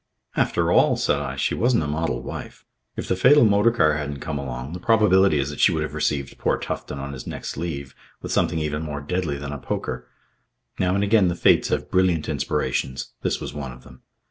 "After all," said I, "she wasn't a model wife. If the fatal motor car hadn't come along, the probability is that she would have received poor Tufton on his next leave with something even more deadly than a poker. Now and again the Fates have brilliant inspirations. This was one of them.